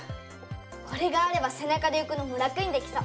これがあれば背中で浮くのも楽にできそう！